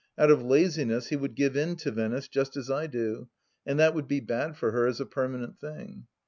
Out of laziness he would give in to Venice, just as I do, and that would be bad for her as a permanent thing.